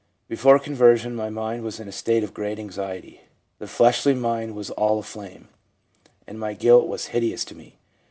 Before conversion my mind was in a state of great anxiety. The fleshly mind was all aflame, and my guilt was hideous to me.